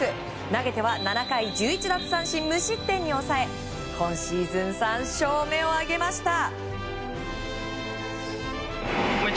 投げては７回１１奪三振無失点に抑え今シーズン３勝目を挙げました。